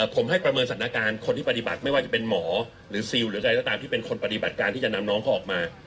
ผมให้ประเมินสถานการณ์คนที่ปฏิบัติไม่ว่าจะเป็นหมอหรือซิลหรือใครก็ตามที่เป็นคนปฏิบัติการที่จะนำน้องเขาออกมา